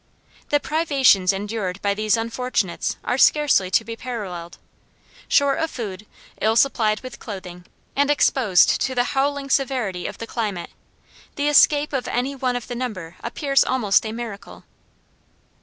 The privations endured by these unfortunates are scarcely to be paralleled. Short of food, ill supplied with clothing, and exposed to the howling severity of the climate, the escape of any one of the number appears almost a miracle.